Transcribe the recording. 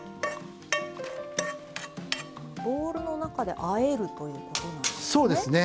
ボウルの中であえるということなんですね。